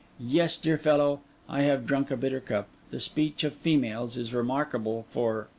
Yes, dear fellow, I have drunk a bitter cup; the speech of females is remarkable for